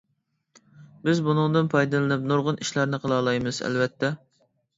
بىز بۇنىڭدىن پايدىلىنىپ نۇرغۇن ئىشلارنى قىلالايمىز، ئەلۋەتتە.